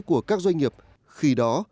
của các doanh nghiệp khi đó